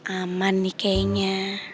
aman nih kayaknya